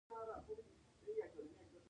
هغه ډیلي لوټ او تالا کړ.